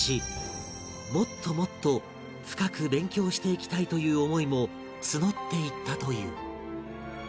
もっともっと深く勉強していきたいという思いも募っていったという